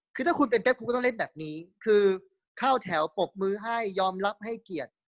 คือถ้าคุณเป็นแป๊บคุณก็ต้องเล่นแบบนี้คือเข้าแถวปรบมือให้ยอมรับให้เกียรติ